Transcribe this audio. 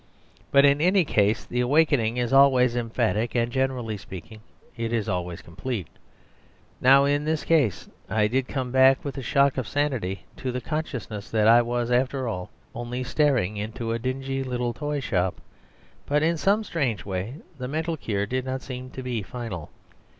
But in any case the awakening is always emphatic and, generally speaking, it is always complete. Now, in this case, I did come back with a shock of sanity to the consciousness that I was, after all, only staring into a dingy little toy shop; but in some strange way the mental cure did not seem to be final.